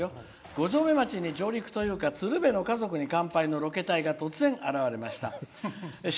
「五城目町に上陸というか「鶴瓶の家族に乾杯」のロケ隊が突然現れました。